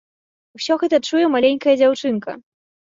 Усё гэта чуе маленькая дзяўчынка.